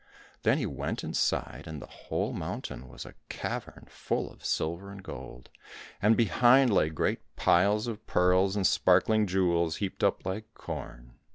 The he went inside, and the whole mountain was a cavern full of silver and gold, and behind lay great piles of pearls and sparkling jewels, heaped up like corn.